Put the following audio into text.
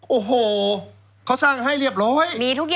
โอ้โหเขาสร้างให้เรียบร้อย